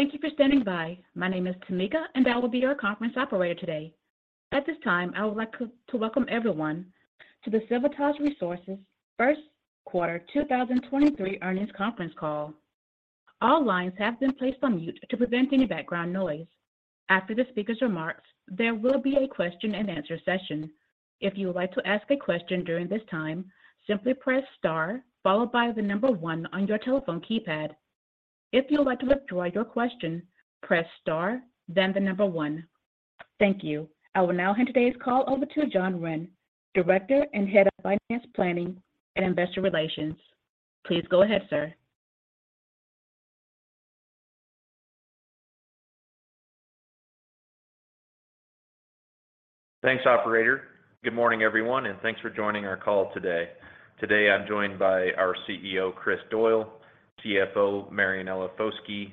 Thank you for standing by. My name is Tamika, and I will be your conference operator today. At this time, I would like to welcome everyone to the Civitas Resources first quarter 2023 earnings conference call. All lines have been placed on mute to prevent any background noise. After the speaker's remarks, there will be a question-and-answer session. If you would like to ask a question during this time, simply press star followed by the 1 on your telephone keypad. If you would like to withdraw your question, press star, then the 1. Thank you. I will now hand today's call over to John Wren, Director and Head of Finance Planning and Investor Relations. Please go ahead, sir. Thanks, operator. Good morning, everyone, and thanks for joining our call today. Today, I'm joined by our CEO, Chris Doyle, CFO, Marianella Foschi,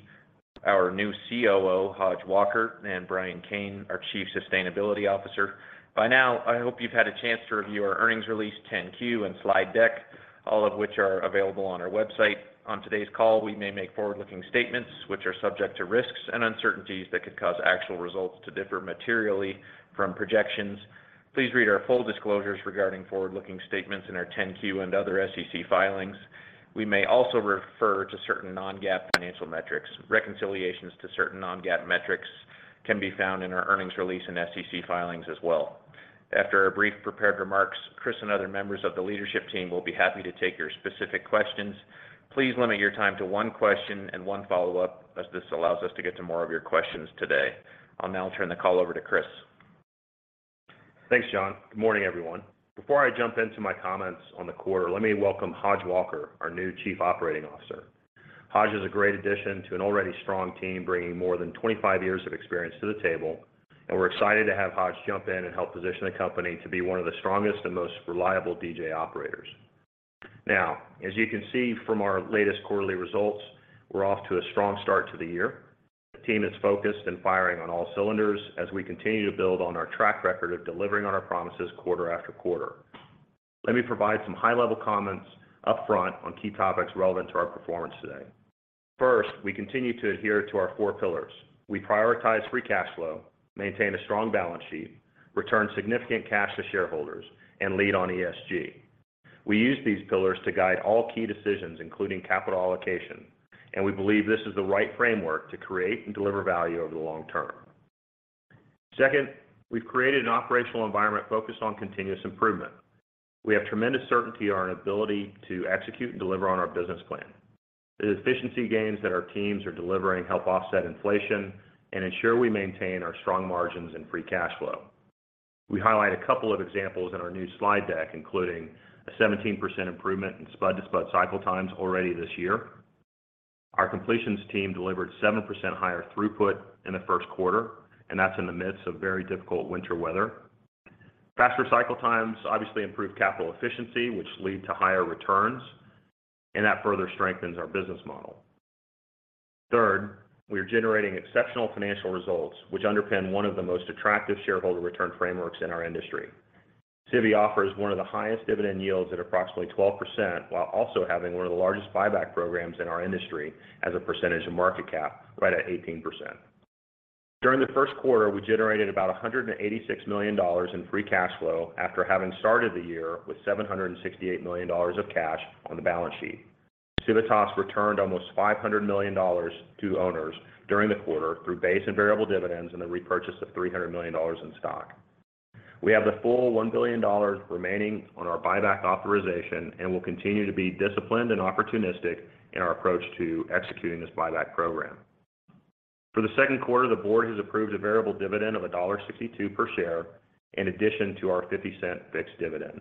our new COO, Hodge Walker, and Brian Cain, our Chief Sustainability Officer. By now, I hope you've had a chance to review our earnings release, 10-Q, and slide deck, all of which are available on our website. On today's call, we may make forward-looking statements, which are subject to risks and uncertainties that could cause actual results to differ materially from projections. Please read our full disclosures regarding forward-looking statements in our 10-Q and other SEC filings. We may also refer to certain non-GAAP financial metrics. Reconciliations to certain non-GAAP metrics can be found in our earnings release and SEC filings as well. After our brief prepared remarks, Chris and other members of the leadership team will be happy to take your specific questions. Please limit your time to one question and one follow-up, as this allows us to get to more of your questions today. I'll now turn the call over to Chris. Thanks, John. Good morning, everyone. Before I jump into my comments on the quarter, let me welcome Hodge Walker, our new Chief Operating Officer. Hodge is a great addition to an already strong team, bringing more than 25 years of experience to the table. We're excited to have Hodge jump in and help position the company to be one of the strongest and most reliable DJ operators. As you can see from our latest quarterly results, we're off to a strong start to the year. The team is focused and firing on all cylinders as we continue to build on our track record of delivering on our promises quarter after quarter. Let me provide some high-level comments up front on key topics relevant to our performance today. First, we continue to adhere to our four pillars. We prioritize free cash flow, maintain a strong balance sheet, return significant cash to shareholders, and lead on ESG. We use these pillars to guide all key decisions, including capital allocation, and we believe this is the right framework to create and deliver value over the long term. Second, we've created an operational environment focused on continuous improvement. We have tremendous certainty on our ability to execute and deliver on our business plan. The efficiency gains that our teams are delivering help offset inflation and ensure we maintain our strong margins and free cash flow. We highlight a couple of examples in our new slide deck, including a 17% improvement in spud-to-spud cycle times already this year. Our completions team delivered 7% higher throughput in the first quarter, and that's in the midst of very difficult winter weather. Faster cycle times obviously improve capital efficiency, which lead to higher returns, that further strengthens our business model. Third, we are generating exceptional financial results, which underpin one of the most attractive shareholder return frameworks in our industry. Civy offers one of the highest dividend yields at approximately 12%, while also having one of the largest buyback programs in our industry as a percentage of market cap, right at 18%. During the first quarter, we generated about $186 million in free cash flow after having started the year with $768 million of cash on the balance sheet. Civitas returned almost $500 million to owners during the quarter through base and variable dividends and the repurchase of $300 million in stock. We have the full $1 billion remaining on our buyback authorization and will continue to be disciplined and opportunistic in our approach to executing this buyback program. For the second quarter, the board has approved a variable dividend of $1.62 per share in addition to our $0.50 fixed dividend.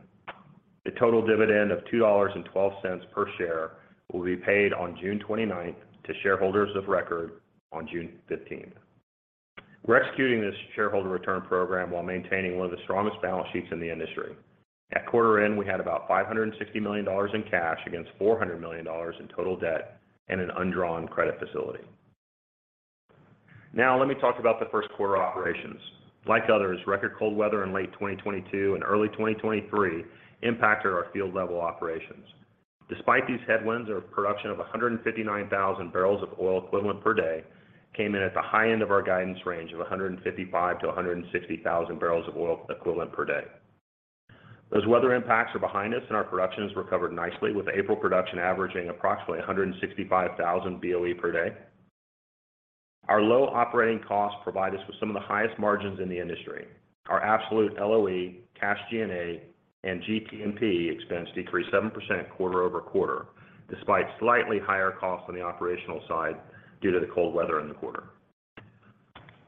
The total dividend of $2.12 per share will be paid on June 29th to shareholders of record on June 15th. We're executing this shareholder return program while maintaining one of the strongest balance sheets in the industry. At quarter end, we had about $560 million in cash against $400 million in total debt and an undrawn credit facility. Let me talk about the first quarter operations. Like others, record cold weather in late 2022 and early 2023 impacted our field-level operations. Despite these headwinds, our production of 159,000 barrels of oil equivalent per day came in at the high end of our guidance range of 155,000-160,000 barrels of oil equivalent per day. Those weather impacts are behind us, and our production has recovered nicely, with April production averaging approximately 165,000 BOE per day. Our low operating costs provide us with some of the highest margins in the industry. Our absolute LOE, cash G&A, and GTMP expense decreased 7% quarter-over-quarter, despite slightly higher costs on the operational side due to the cold weather in the quarter.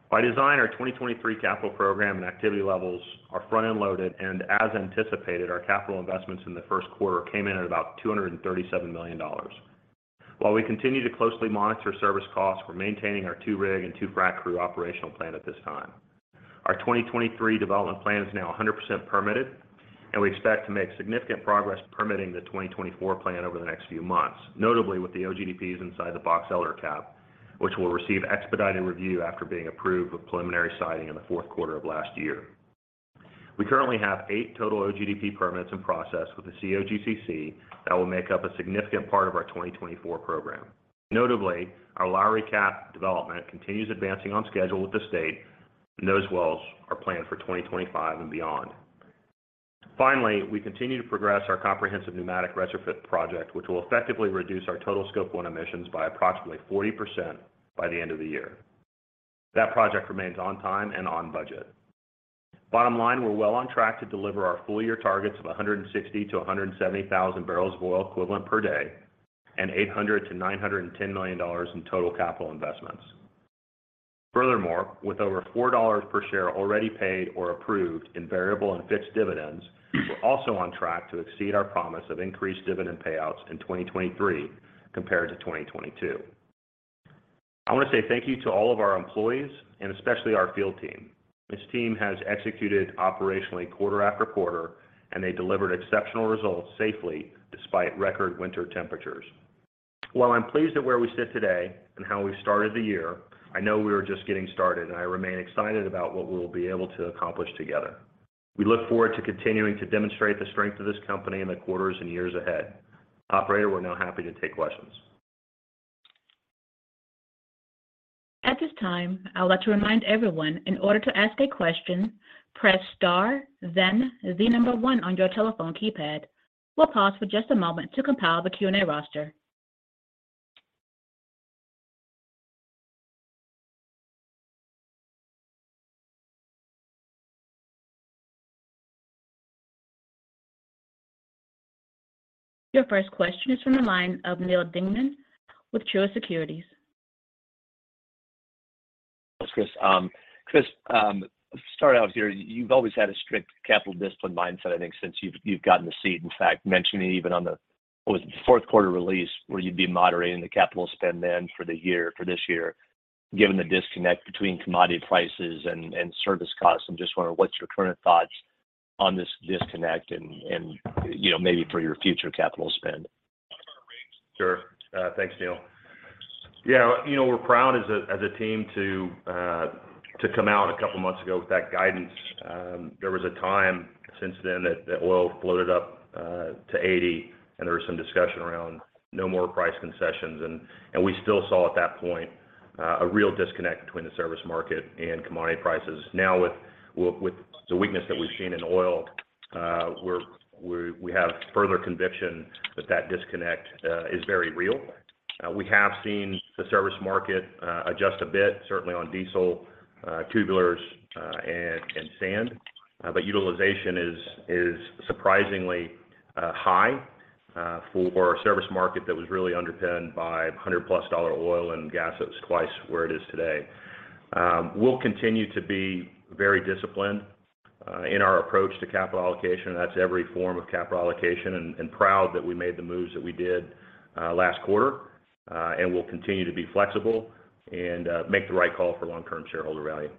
By design, our 2023 capital program and activity levels are front-end loaded, and as anticipated, our capital investments in the first quarter came in at about $237 million. While we continue to closely monitor service costs, we're maintaining our 2 rig and 2 frac crew operational plan at this time. Our 2023 development plan is now 100% permitted, we expect to make significant progress permitting the 2024 plan over the next few months, notably with the OGDPs inside the Box Elder CAP, which will receive expedited review after being approved with preliminary siting in the fourth quarter of last year. We currently have 8 total OGDP permits in process with the COGCC that will make up a significant part of our 2024 program. Notably, our Lowry CAP development continues advancing on schedule with the state, and those wells are planned for 2025 and beyond. Finally, we continue to progress our comprehensive pneumatic retrofit project, which will effectively reduce our total Scope 1 emissions by approximately 40% by the end of the year. That project remains on time and on budget. Bottom line, we're well on track to deliver our full year targets of 160,000-170,000 barrels of oil equivalent per day and $800 million-$910 million in total capital investments. Furthermore, with over $4 per share already paid or approved in variable and fixed dividends, we're also on track to exceed our promise of increased dividend payouts in 2023 compared to 2022. I wanna say thank you to all of our employees and especially our field team. This team has executed operationally quarter after quarter, and they delivered exceptional results safely despite record winter temperatures. While I'm pleased at where we sit today and how we've started the year, I know we're just getting started, and I remain excited about what we'll be able to accomplish together. We look forward to continuing to demonstrate the strength of this company in the quarters and years ahead. Operator, we're now happy to take questions. At this time, I would like to remind everyone, in order to ask a question, press star then the 1 on your telephone keypad. We'll pause for just a moment to compile the Q&A roster. Your first question is from the line of Neal Dingmann with Truist Securities. Thanks, Chris. Chris, to start out here, you've always had a strict capital discipline mindset, I think since you've gotten the seat. In fact, mentioning even on the what was it? fourth quarter release where you'd be moderating the capital spend then for the year, for this year. Given the disconnect between commodity prices and service costs, I'm just wondering what's your current thoughts on this disconnect and, you know, maybe for your future capital spend? Sure. Thanks, Neal. Yeah, you know, we're proud as a team to come out a couple of months ago with that guidance. There was a time since then that oil floated up to 80, and there was some discussion around no more price concessions. We still saw at that point a real disconnect between the service market and commodity prices. Now with the weakness that we've seen in oil, we have further conviction that that disconnect is very real. We have seen the service market adjust a bit, certainly on diesel, tubulars, and sand. Utilization is surprisingly high for a service market that was really underpinned by 100 plus dollar oil and gas that was twice where it is today. We'll continue to be very disciplined in our approach to capital allocation. That's every form of capital allocation and proud that we made the moves that we did last quarter. We'll continue to be flexible and make the right call for long-term shareholder value.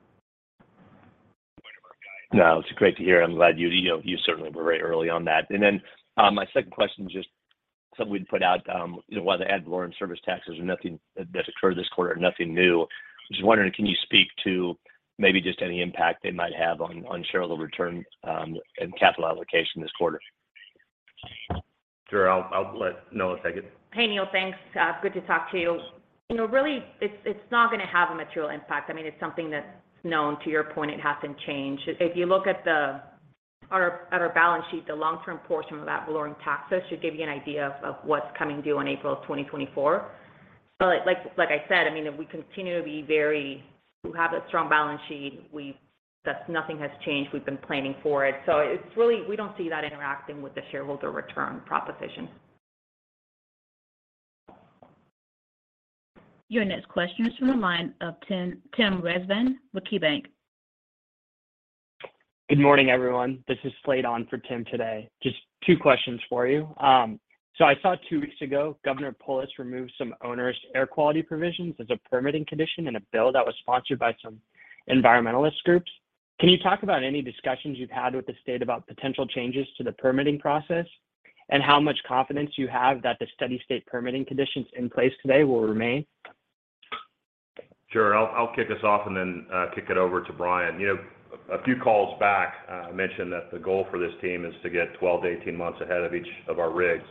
No, it's great to hear. I'm glad you know, you certainly were very early on that. My second question, just something we'd put out, you know, why the ad valorem service taxes are nothing that occurred this quarter, nothing new. I'm just wondering, can you speak to maybe just any impact they might have on shareholder return, and capital allocation this quarter? Sure. I'll let Noah take it. Hey, Neal. Thanks. Good to talk to you. You know, really, it's not gonna have a material impact. I mean, it's something that's known. To your point, it hasn't changed. If you look at our balance sheet, the long-term portion of that ad valorem taxes should give you an idea of what's coming due on April of 2024. Like I said, I mean, if we continue to be, we have a strong balance sheet, that's nothing has changed. We've been planning for it. It's, we don't see that interacting with the shareholder return proposition. Your next question is from the line of Tim Rezvan with KeyBank. Good morning, everyone. This is Slade on for Tim today. Just two questions for you. I saw two weeks ago, Governor Polis removed some onerous air quality provisions as a permitting condition in a bill that was sponsored by some environmentalist groups. Can you talk about any discussions you've had with the state about potential changes to the permitting process and how much confidence you have that the steady state permitting conditions in place today will remain? Sure. I'll kick us off and then kick it over to Brian. You know, a few calls back, I mentioned that the goal for this team is to get 12-18 months ahead of each of our rigs.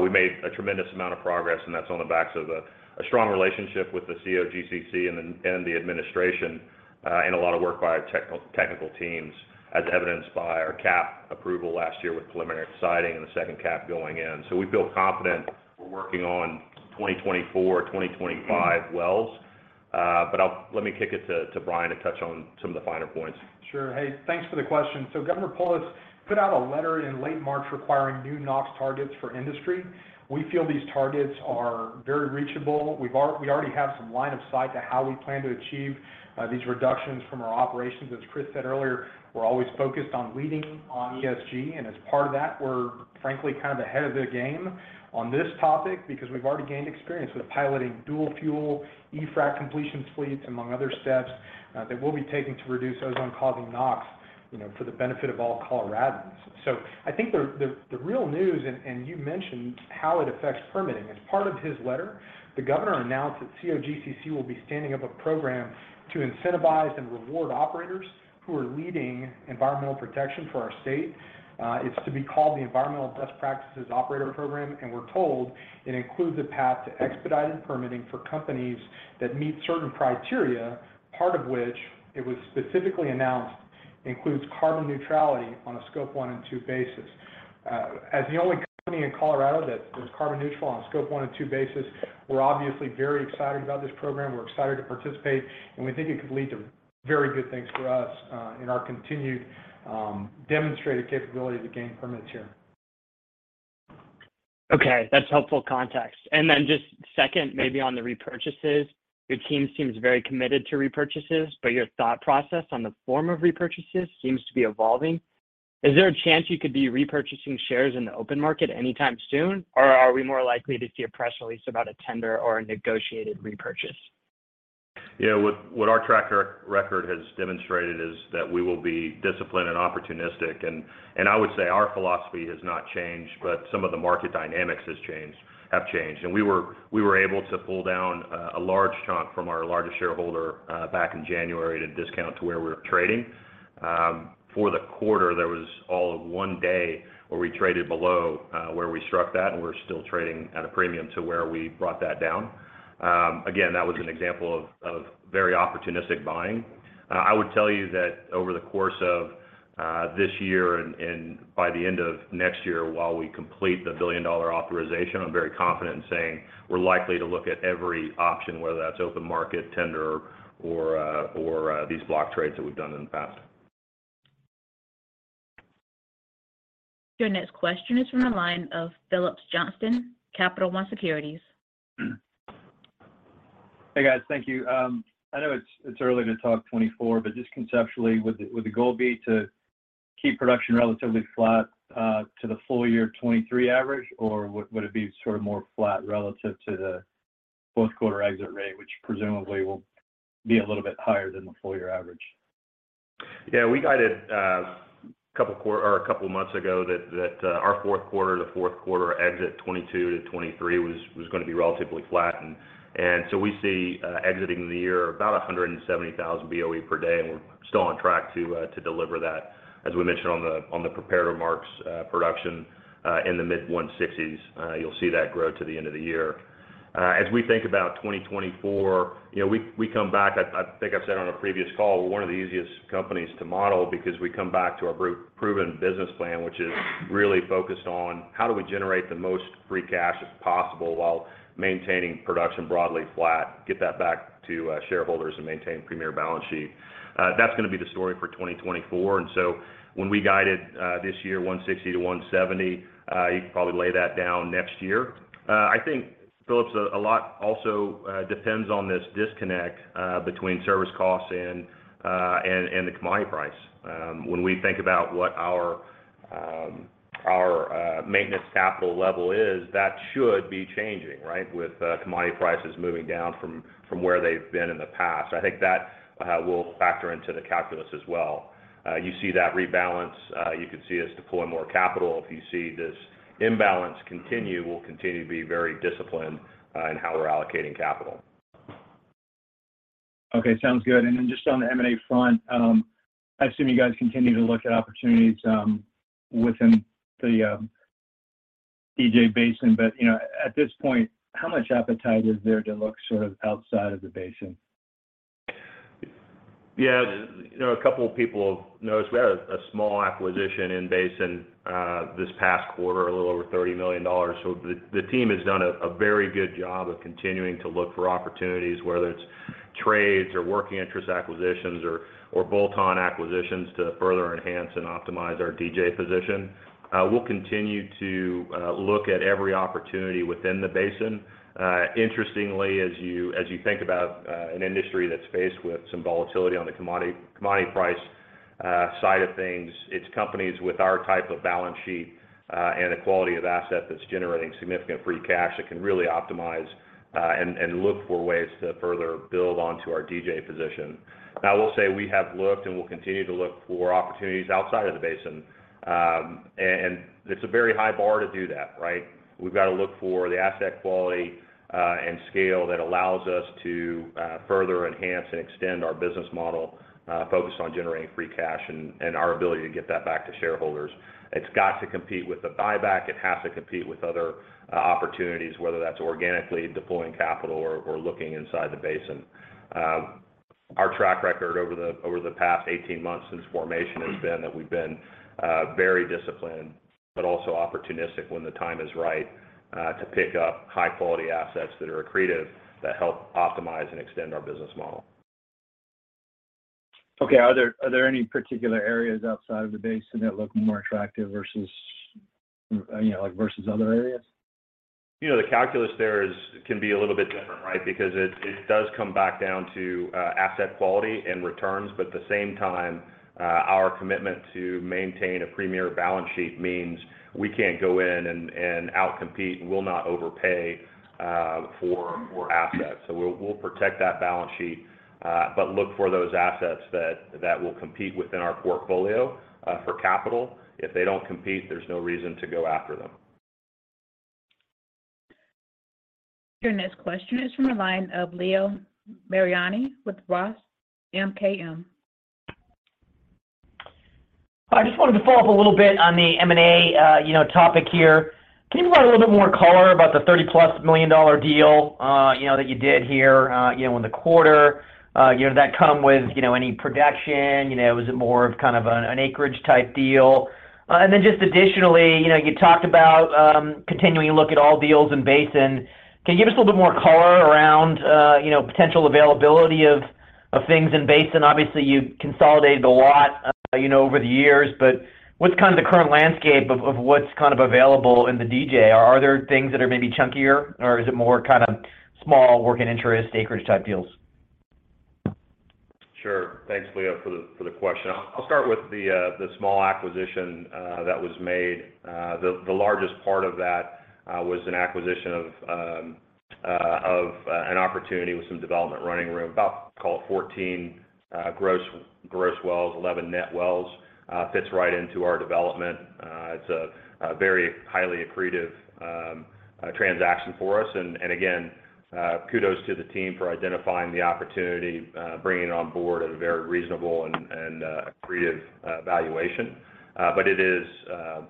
We made a tremendous amount of progress, and that's on the backs of a strong relationship with the COGCC and the administration, and a lot of work by our technical teams, as evidenced by our CAP approval last year with preliminary siting and the second CAP going in. We feel confident we're working on 2024, 2025 wells. Let me kick it to Brian to touch on some of the finer points. Sure. Hey, thanks for the question. Governor Polis put out a letter in late March requiring new NOx targets for industry. We feel these targets are very reachable. We already have some line of sight to how we plan to achieve these reductions from our operations. As Chris said earlier, we're always focused on leading on ESG. As part of that, we're frankly kind of ahead of the game on this topic because we've already gained experience with piloting dual fuel, e-frac completion fleets, among other steps that we'll be taking to reduce ozone-causing NOx, you know, for the benefit of all Coloradans. I think the real news, and you mentioned how it affects permitting. As part of his letter, the governor announced that COGCC will be standing up a program to incentivize and reward operators who are leading environmental protection for our state. It's to be called the Environmental Best Practices Operator Program, and we're told it includes a path to expedited permitting for companies that meet certain criteria, part of which, it was specifically announced, includes carbon neutrality on a Scope 1 and 2 basis. As the only company in Colorado that is carbon neutral on a Scope 1 and 2 basis, we're obviously very excited about this program. We're excited to participate, and we think it could lead to very good things for us, in our continued, demonstrated capability to gain permits here. Okay, that's helpful context. Just second, maybe on the repurchases. Your team seems very committed to repurchases, but your thought process on the form of repurchases seems to be evolving. Is there a chance you could be repurchasing shares in the open market anytime soon, or are we more likely to see a press release about a tender or a negotiated repurchase? Yeah, what our track record has demonstrated is that we will be disciplined and opportunistic. I would say our philosophy has not changed, but some of the market dynamics have changed. We were able to pull down a large chunk from our largest shareholder back in January at a discount to where we're trading. For the quarter, there was all of one day where we traded below where we struck that, and we're still trading at a premium to where we brought that down. Again, that was an example of very opportunistic buying. I would tell you that over the course of this year and by the end of next year while we complete the billion-dollar authorization, I'm very confident in saying we're likely to look at every option, whether that's open market, tender, or these block trades that we've done in the past. Your next question is from the line of Phillips Johnston, Capital One Securities. Hey, guys. Thank you. I know it's early to talk 2024, but just conceptually, would the goal be to keep production relatively flat to the full year 2023 average, or would it be sort of more flat relative to the fourth quarter exit rate, which presumably will be a little bit higher than the full year average? Yeah. We guided a couple of months ago that our fourth quarter to fourth quarter exit 2022 to 2023 was gonna be relatively flat. We see exiting the year about 170,000 BOE per day, and we're still on track to deliver that. As we mentioned on the prepared remarks, production in the mid-160s. You'll see that grow to the end of the year. As we think about 2024, you know, we come back... I think I've said on a previous call, we're one of the easiest companies to model because we come back to our pro-proven business plan, which is really focused on how do we generate the most free cash as possible while maintaining production broadly flat, get that back to shareholders and maintain premier balance sheet. That's gonna be the story for 2024. So when we guided this year, $160 million-$170 million, you can probably lay that down next year. I think, Phillips, a lot also depends on this disconnect between service costs and the commodity price. When we think about what our maintenance capital level is, that should be changing, right, with commodity prices moving down from where they've been in the past. I think that will factor into the calculus as well. You see that rebalance, you could see us deploy more capital. If you see this imbalance continue, we'll continue to be very disciplined in how we're allocating capital. Okay. Sounds good. Then just on the M&A front, I assume you guys continue to look at opportunities within the DJ Basin. You know, at this point, how much appetite is there to look sort of outside of the basin? Yeah. You know, a couple of people have noticed we had a small acquisition in basin this past quarter, a little over $30 million. The team has done a very good job of continuing to look for opportunities, whether it's trades or working interest acquisitions or bolt-on acquisitions to further enhance and optimize our DJ position. We'll continue to look at every opportunity within the basin. Interestingly, as you think about an industry that's faced with some volatility on the commodity price side of things, it's companies with our type of balance sheet and a quality of asset that's generating significant free cash that can really optimize and look for ways to further build onto our DJ position. Now, I will say we have looked and will continue to look for opportunities outside of the basin. It's a very high bar to do that, right? We've got to look for the asset quality and scale that allows us to further enhance and extend our business model focused on generating free cash and our ability to get that back to shareholders. It's got to compete with a buyback. It has to compete with other opportunities, whether that's organically deploying capital or looking inside the basin. Our track record over the, over the past 18 months since formation has been that we've been very disciplined, but also opportunistic when the time is right to pick up high-quality assets that are accretive, that help optimize and extend our business model. Okay. Are there any particular areas outside of the basin that look more attractive versus, you know, like, versus other areas? You know, the calculus there is can be a little bit different, right? It, it does come back down to asset quality and returns. At the same time, our commitment to maintain a premier balance sheet means we can't go in and outcompete, and we'll not overpay for assets. We'll protect that balance sheet, but look for those assets that will compete within our portfolio for capital. If they don't compete, there's no reason to go after them. Your next question is from the line of Leo Mariani with ROTH MKM. I just wanted to follow up a little bit on the M&A, you know, topic here. Can you provide a little bit more color about the $30+ million deal, you know, that you did here, you know, in the quarter? Did that come with, you know, any production? You know, was it more of kind of an acreage type deal? Just additionally, you know, you talked about, continuing to look at all deals in basin. Can you give us a little bit more color around, you know, potential availability of things in basin? Obviously, you've consolidated a lot, you know, over the years, but what's kind of the current landscape of what's kind of available in the DJ? Are there things that are maybe chunkier, or is it more kind of small working interest acreage type deals? Sure. Thanks, Leo, for the question. I'll start with the small acquisition that was made. The largest part of that was an acquisition of an opportunity with some development running room, about call it 14 gross wells, 11 net wells. Fits right into our development. It's a very highly accretive transaction for us. Again, kudos to the team for identifying the opportunity, bringing it on board at a very reasonable and accretive valuation. It is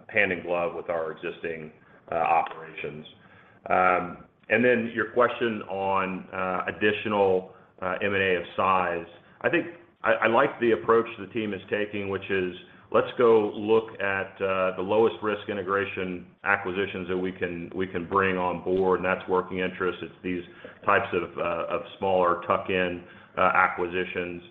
hand in glove with our existing operations. Then your question on additional M&A of size. I think I like the approach the team is taking, which is let's go look at the lowest risk integration acquisitions that we can bring on board, and that's working interest. It's these types of smaller tuck-in acquisitions.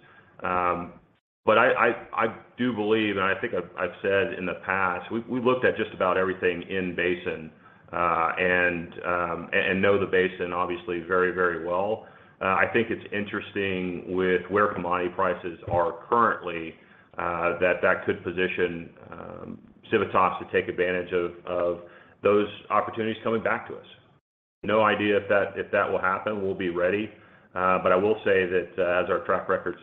I do believe, and I think I've said in the past, we looked at just about everything in basin, and know the basin obviously very, very well. I think it's interesting with where commodity prices are currently, that could position Civitas to take advantage of those opportunities coming back to us. No idea if that will happen. We'll be ready. I will say that, as our track record,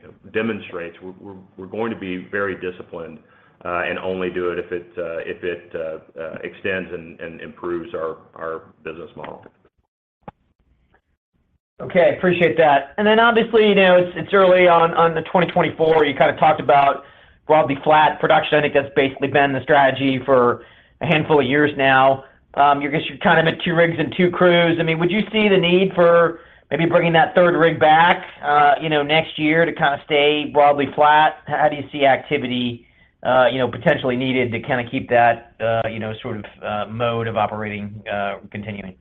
you know, demonstrates, we're going to be very disciplined, and only do it if it extends and improves our business model. Okay. Appreciate that. Then obviously, you know, it's early on the 2024. You kind of talked about broadly flat production. I think that's basically been the strategy for a handful of years now. You're kind of at 2 rigs and 2 crews. I mean, would you see the need for maybe bringing that 3rd rig back, you know, next year to kind of stay broadly flat? How do you see activity, you know, potentially needed to kind of keep that, you know, sort of, mode of operating, continuing?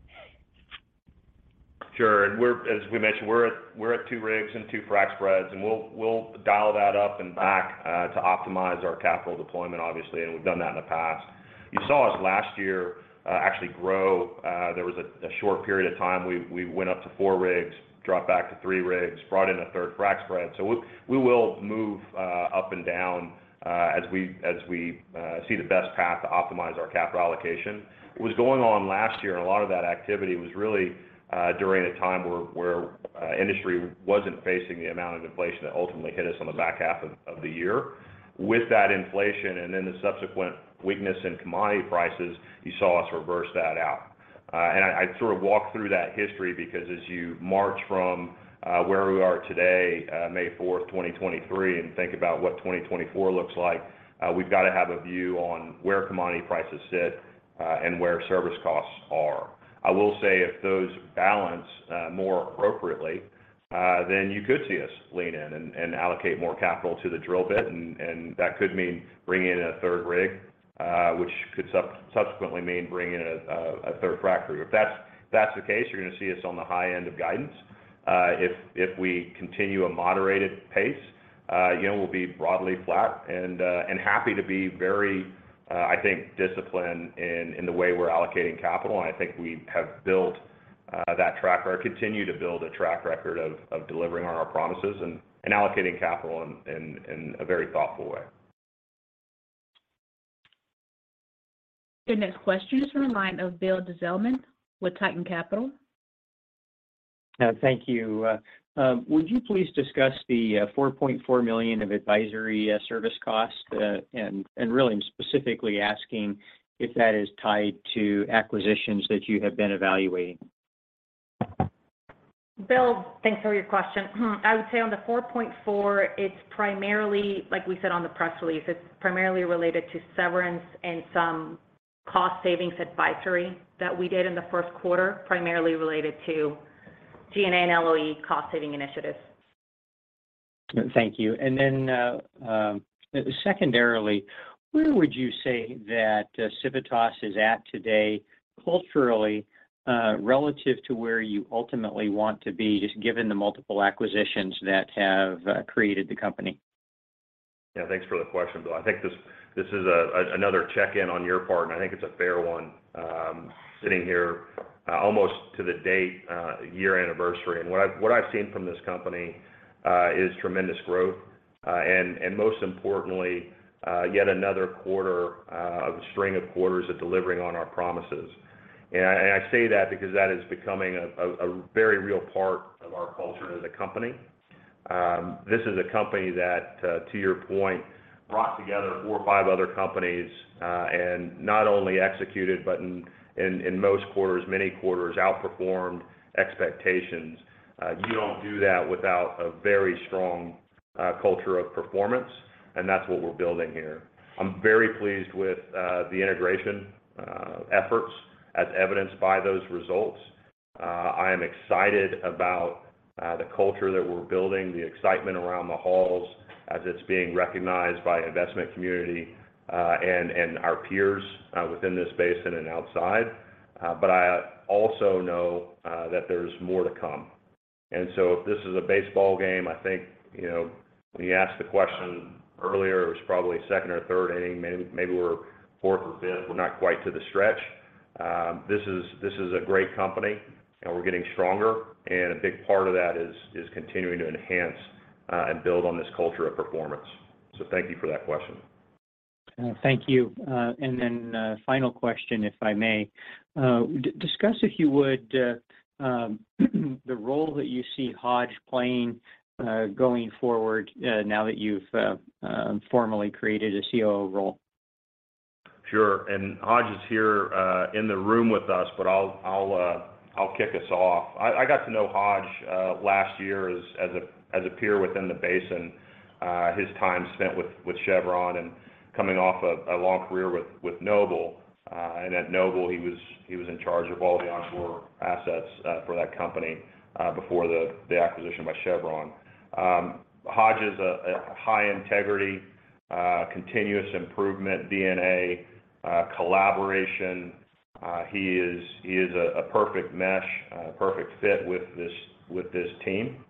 Sure. As we mentioned, we're at 2 rigs and 2 frac spreads, and we'll dial that up and back to optimize our capital deployment, obviously, and we've done that in the past. You saw us last year actually grow. There was a short period of time we went up to 4 rigs, dropped back to 3 rigs, brought in a third frac spread. We will move up and down as we see the best path to optimize our capital allocation. What was going on last year, and a lot of that activity was really during a time where industry wasn't facing the amount of inflation that ultimately hit us on the back half of the year. With that inflation, then the subsequent weakness in commodity prices, you saw us reverse that out. I'd sort of walk through that history because as you march from where we are today, May 4, 2023, and think about what 2024 looks like, we've got to have a view on where commodity prices sit and where service costs are. I will say if those balance more appropriately, you could see us lean in and allocate more capital to the drill bit and that could mean bringing in a third rig, which could subsequently mean bringing in a third frac crew. If that's the case, you're gonna see us on the high end of guidance. Uh, if, if we continue a moderated pace, uh, you know, we'll be broadly flat and, uh, and happy to be very, uh, I think disciplined in, in the way we're allocating capital, and I think we have built, uh, that track or continue to build a track record of, of delivering on our promises and, and allocating capital in, in, in a very thoughtful way. Your next question is from the line of Neal Dingmann with Tieton Capital. Thank you. Would you please discuss the $4.4 million of advisory service costs? Really, I'm specifically asking if that is tied to acquisitions that you have been evaluating. Bill, thanks for your question. I would say on the 4.4, it's primarily, like we said on the press release, it's primarily related to severance and some cost savings advisory that we did in the first quarter, primarily related to G&A and LOE cost saving initiatives. Thank you. Secondarily, where would you say that Civitas Resources is at today culturally, relative to where you ultimately want to be, just given the multiple acquisitions that have created the company? Yeah. Thanks for the question, Bill. I think this is another check-in on your part, and I think it's a fair one, sitting here, almost to the date, year anniversary. What I've seen from this company is tremendous growth, and most importantly, yet another quarter of a string of quarters of delivering on our promises. I say that because that is becoming a very real part of our culture as a company. This is a company that, to your point, brought together 4 or 5 other companies, and not only executed, but in most quarters, many quarters, outperformed expectations. You don't do that without a very strong culture of performance, and that's what we're building here. I'm very pleased with the integration efforts as evidenced by those results. I am excited about the culture that we're building, the excitement around the halls as it's being recognized by investment community and our peers within this basin and outside. I also know that there's more to come. If this is a baseball game, I think, you know, when you asked the question earlier, it was probably second or third inning. Maybe we're fourth or fifth. We're not quite to the stretch. This is a great company, and we're getting stronger. A big part of that is continuing to enhance and build on this culture of performance. Thank you for that question. Thank you. Final question, if I may. Discuss, if you would, the role that you see Hodge playing going forward, now that you've formally created a COO role? Sure. Hodge is here in the room with us, but I'll kick us off. I got to know Hodge last year as a peer within the basin. His time spent with Chevron and coming off a long career with Noble. At Noble, he was in charge of all the onshore assets for that company before the acquisition by Chevron. Hodge is a high integrity, continuous improvement DNA, collaboration. He is a perfect mesh, a perfect fit with this team.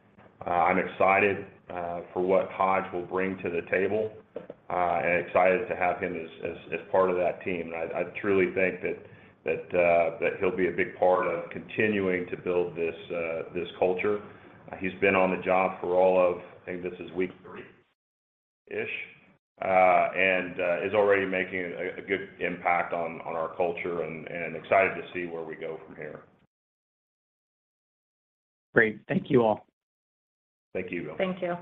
I'm excited for what Hodge will bring to the table and excited to have him as part of that team. I truly think that he'll be a big part of continuing to build this culture. He's been on the job for all of, I think this is week three-ish, and is already making a good impact on our culture and excited to see where we go from here. Great. Thank you all. Thank you, Bill. Thank you.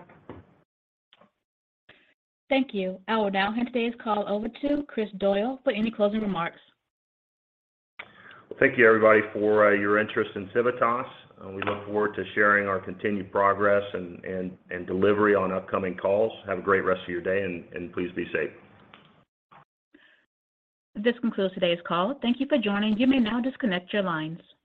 Thank you. I will now hand today's call over to Chris Doyle for any closing remarks. Well, thank you, everybody, for your interest in Civitas. We look forward to sharing our continued progress and delivery on upcoming calls. Have a great rest of your day, and please be safe. This concludes today's call. Thank you for joining. You may now disconnect your lines.